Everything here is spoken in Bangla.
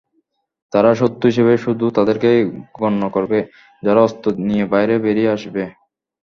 তারা শত্রু হিসেবে শুধু তাদেরকেই গণ্য করবে, যারা অস্ত্র নিয়ে বাইরে বেরিয়ে আসবে।